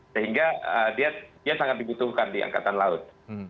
sehingga dia sangat dibutuhkan di angkatan laut